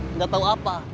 enggak tau apa